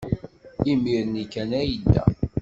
Imir-nni kan ay yedda.